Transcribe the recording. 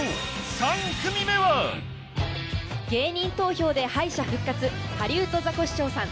３組目は芸人投票で敗者復活ハリウッドザコシショウさん。